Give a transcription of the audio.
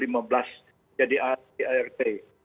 menjadi dirt dua ribu dua puluh